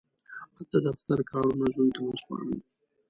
احمد د دفتر کارونه زوی ته وسپارل.